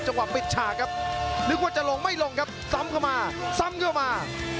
ปิดฉากครับนึกว่าจะลงไม่ลงครับซ้ำเข้ามาซ้ำเข้ามา